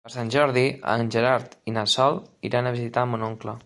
Per Sant Jordi en Gerard i na Sol iran a visitar mon oncle.